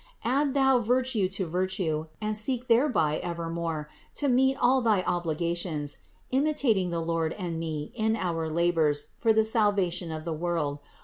Add thou virtue to virtue and seek thereby evermore to meet all thy obliga tions, imitating the Lord and me in our labors for the salvation of the world.